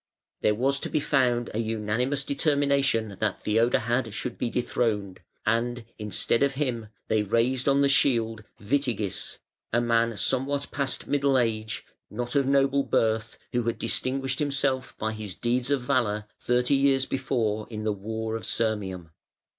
There was found to be an unanimous determination that Iheodahad should be dethroned, and, instead of him, they raised on the shield, Witigis, a man somewhat past middle age, not of noble birth, who had distinguished himself by his deeds of valour thirty years before in the war of Sirmium.